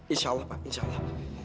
insya allah pak insya allah